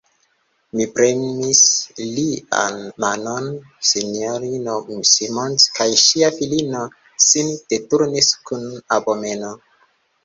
Mi premis lian manon; S-ino Simons kaj ŝia filino sin deturnis kun abomeno.